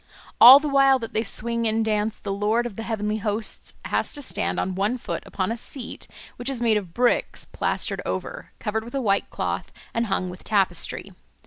All the while that they swing and dance, the Lord of the Heavenly Hosts has to stand on one foot upon a seat which is made of bricks plastered over, covered with a white cloth, and hung with tapestry.